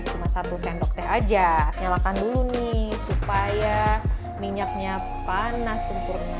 cuma satu sendok teh aja nyalakan dulu nih supaya minyaknya panas sempurna